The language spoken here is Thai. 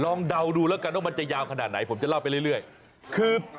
เดาดูแล้วกันว่ามันจะยาวขนาดไหนผมจะเล่าไปเรื่อยคือ